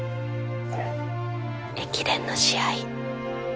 えっ？駅伝の試合。